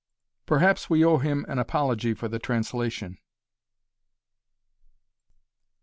Perhaps we owe him an apology for the translation.